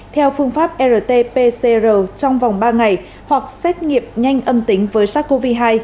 theo phương pháp rt pcr trong vòng ba ngày hoặc xét nghiệm nhanh âm tính với sars cov hai